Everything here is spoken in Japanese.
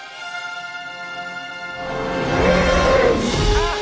あっ！